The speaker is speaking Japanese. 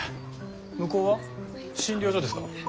向こうは診療所ですか？